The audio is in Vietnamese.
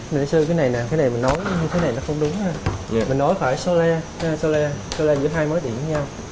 nếu như cái này nè cái này mình nói cái này nó không đúng mình nói phải so le so le giữa hai mối điện với nhau